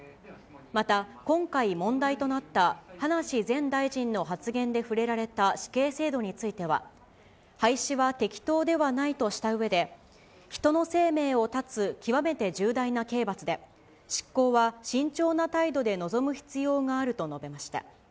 また、今回問題となった葉梨前大臣の発言で触れられた死刑制度については、廃止は適当ではないとしたうえで、人の生命を絶つ極めて重大な刑罰で、執行は慎重な態度で臨む必要があると述べました。